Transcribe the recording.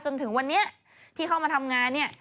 จนถึงวันนี้ที่เข้ามาทำงานเนี่ย